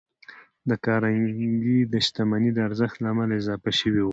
د کارنګي د شتمنۍ د ارزښت له امله اضافه شوي وو.